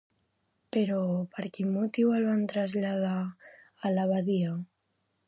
Però, per quin motiu el van traslladar a l'abadia?